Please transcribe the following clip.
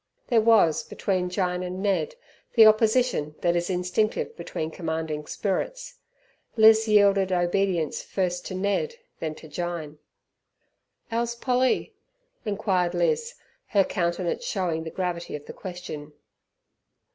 There was between Jyne and Ned the opposition that is instinctive between commanding spirits. Liz yielded obedience first to Ned then to Jyne. "Ow's Polly!" inquired Liz, her countenance showing the gravity of the question.